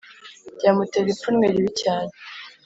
byamutera ipfunwe ribi cyane